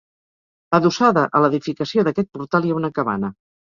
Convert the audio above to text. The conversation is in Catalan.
Adossada a l'edificació d'aquest portal hi ha una cabana.